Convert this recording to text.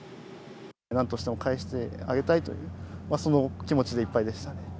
なんとしても帰してあげたいという、その気持ちでいっぱいでした。